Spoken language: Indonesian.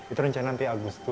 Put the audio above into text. itu rencana nanti agustus